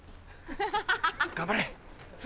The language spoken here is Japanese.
頑張れ。